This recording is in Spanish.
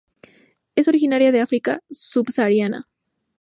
Es originaria del África subsahariana.